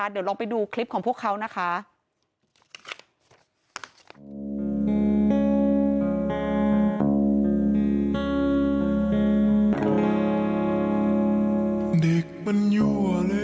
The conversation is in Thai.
เดี๋ยวลองไปดูคลิปของพวกเขานะคะ